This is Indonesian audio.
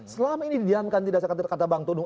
selama ini didihankan tidak sekadar kata bang tunung